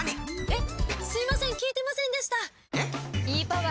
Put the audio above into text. えっ？